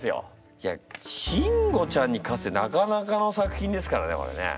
いやシンゴちゃんに勝つってなかなかの作品ですからねこれね。